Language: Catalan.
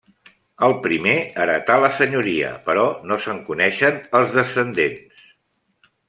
El primer heretà la senyoria però no se'n coneixen els descendents.